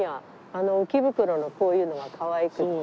あの浮袋のこういうのが可愛くって。